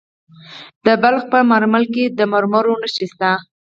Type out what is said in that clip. د بلخ په مارمل کې د مرمرو نښې شته.